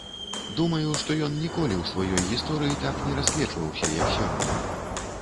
Думаю, што ён ніколі ў сваёй гісторыі так не расквечваўся, як сёння.